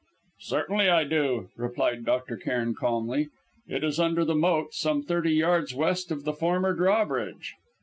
"Certainly, I do," replied Dr. Cairn calmly; "it is under the moat, some thirty yards west of the former drawbridge."